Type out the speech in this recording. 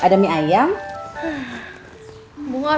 aku nantikan yang itulah